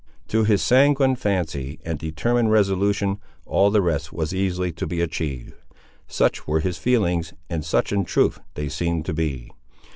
To his sanguine fancy and determined resolution all the rest was easily to be achieved. Such were his feelings, and such in truth they seemed to be.